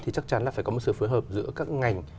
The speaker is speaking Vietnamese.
thì chắc chắn là phải có một sự phối hợp giữa các ngành